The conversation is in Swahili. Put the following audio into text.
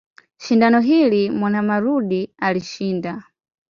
Shindano hili Mwanamalundi alishinda.